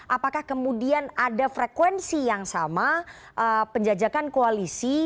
apakah kemudian ada frekuensi yang sama penjajakan koalisi